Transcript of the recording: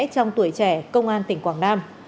trong tuổi trẻ công an tỉnh quảng nam